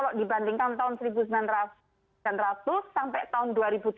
jadi dibandingkan tahun seribu sembilan ratus sampai tahun dua ribu tiga puluh